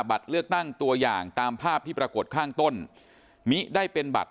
บัตรเลือกตั้งตัวอย่างตามภาพที่ปรากฏข้างต้นมิได้เป็นบัตร